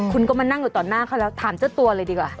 คุณก็มานั่งอยู่ต่อหน้าเขาแล้วถามเจ้าตัวเลยดีกว่า